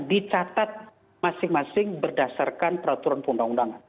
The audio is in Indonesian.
dicatat masing masing berdasarkan peraturan undang undangan